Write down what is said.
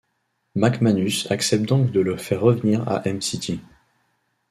Mc Manus accepte donc de le faire revenir à Em City.